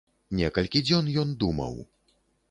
Некалькі дзён ён думаў.